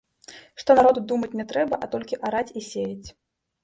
Што народу думаць не трэба, а толькі араць і сеяць.